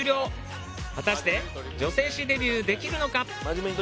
果たして女性誌デビューできるのか？